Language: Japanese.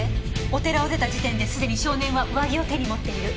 お寺を出た時点ですでに少年は上着を手に持っている。